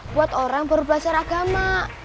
buat orang baru belajar agama